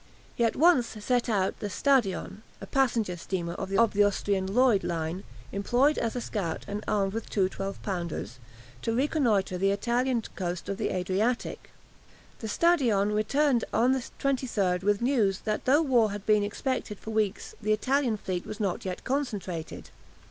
He at once sent out the "Stadion" (a passenger steamer of the Austrian Lloyd line, employed as a scout and armed with two 12 pounders) to reconnoitre the Italian coast of the Adriatic. The "Stadion" returned on the 23rd with news that though war had been expected for weeks the Italian fleet was not yet concentrated.